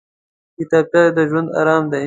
کتابچه د ژوند ارام دی